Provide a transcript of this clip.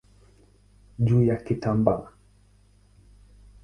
juu ya kitambaa.